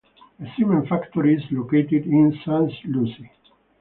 A cement factory is located in St.Lucy.